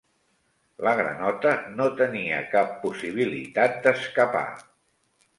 La granota no tenia cap possibilitat d'escapar.